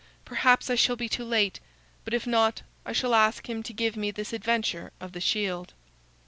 Perhaps I shall be too late; but if not, I shall ask him to give me this adventure of the shield."